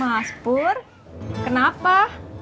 mas pur kenapa